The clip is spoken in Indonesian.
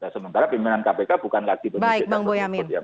sementara pimpinan kpk bukan lagi penyidik dan penuntut